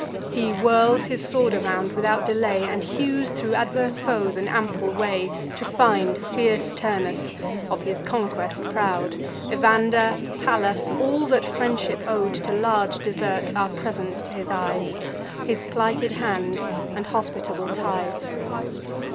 He whirls his sword around, without delay, And hews thro' adverse foes an ample way, To find fierce Turnus, of his conquest proud: Evander, Pallas, all that friendship ow'd To large deserts, are present to his eyes; His plighted hand, and hospitable ties.